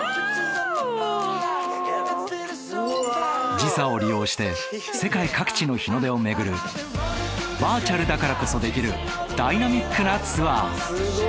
時差を利用して世界各地の日の出を巡るバーチャルだからこそできるダイナミックなツアー。